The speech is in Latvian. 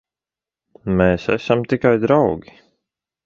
Mēs esam tikai draugi.